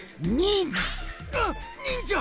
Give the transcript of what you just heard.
あっにんじゃ！